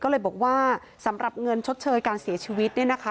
ก็เลยบอกว่าสำหรับเงินชดเชยการเสียชีวิตเนี่ยนะคะ